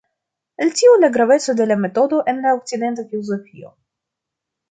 El tio la graveco de la metodo en la okcidenta filozofio.